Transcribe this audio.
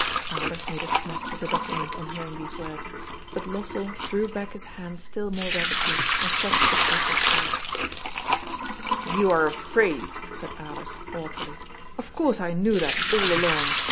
Alers made a snatch at the document on hearing these words, but Lossell drew back his hand still more rapidly and clutched the paper tight " You are afraid," said Alers haughtily. " Of course I knew that all along.